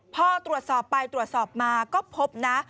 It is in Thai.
พอตรวจสอบไปตรวจสอบมาก็พบนะ